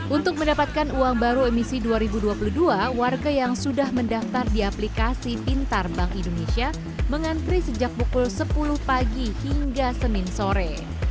untuk mendapatkan uang baru emisi dua ribu dua puluh dua warga yang sudah mendaftar di aplikasi pintar bank indonesia mengantri sejak pukul sepuluh pagi hingga senin sore